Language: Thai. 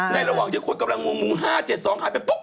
ระหว่างที่คนกำลังมุง๕๗๒หายไปปุ๊